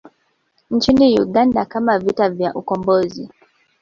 Nchini Uganda kama vita vya Ukombozi